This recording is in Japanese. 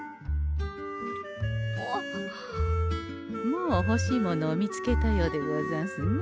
もうほしいものを見つけたようでござんすね。